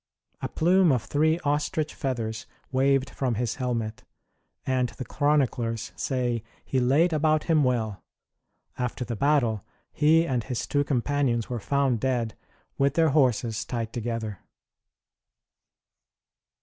A plume of three ostrich feathers waved from his helmet, and the chroniclers say he laid about him well. After the battle, he and his two companions were found dead, with their horses tied together.